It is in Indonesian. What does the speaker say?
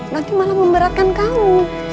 nanti malah memberatkan kamu